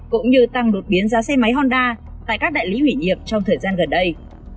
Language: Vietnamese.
cũng như tăng đột biến giá xe máy honda tại các đại lý hủy nhiệm trong thời gian gần đây